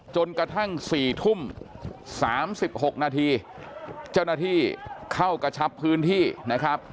จนกระทั่ง๔ทุ่ม๓๖นาทีเจ้าหน้าที่เข้ากระชับพื้นที่นะครับ